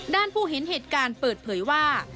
ผู้เห็นเหตุการณ์เปิดเผยว่า